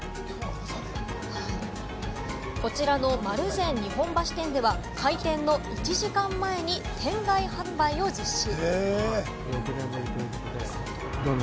こちらの丸善日本橋店では開店の１時間前に店外販売を実施。